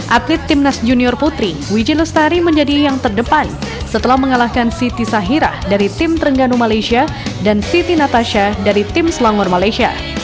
atlet timnas junior putri wijen lestari menjadi yang terdepan setelah mengalahkan siti sahira dari tim trengganu malaysia dan siti natasha dari tim selangor malaysia